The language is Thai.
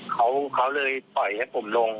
เขาเลยปล่อยให้ผมลง